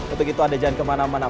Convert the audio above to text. untuk itu anda jangan kemana mana